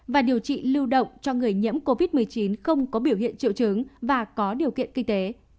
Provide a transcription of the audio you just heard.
và điều trị lưu động cho người nhiễm covid một mươi chín không có biểu hiện triệu chứng và có điều kiện kinh tế